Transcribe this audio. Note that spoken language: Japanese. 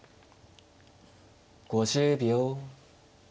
５０秒。